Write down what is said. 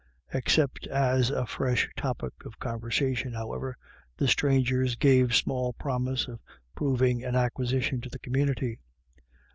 Except as a fresh topic of conversation, however, the strangers gave small promise of proving an acquisition to the community.